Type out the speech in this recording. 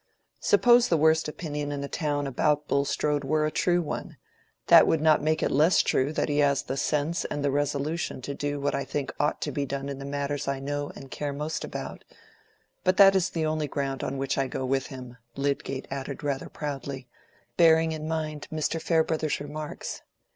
Suppose the worst opinion in the town about Bulstrode were a true one, that would not make it less true that he has the sense and the resolution to do what I think ought to be done in the matters I know and care most about; but that is the only ground on which I go with him," Lydgate added rather proudly, bearing in mind Mr. Farebrother's remarks.